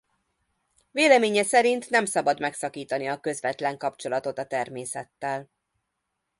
Véleménye szerint nem szabad megszakítani a közvetlen kapcsolatot a természettel.